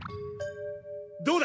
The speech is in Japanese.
どうだ？